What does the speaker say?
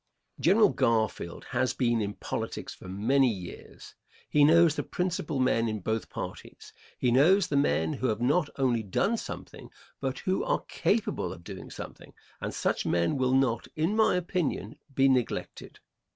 General Garfield has been in politics for many years. He knows the principal men in both parties. He knows the men who have not only done something, but who are capable of doing something, and such men will not, in my opinion, be neglected.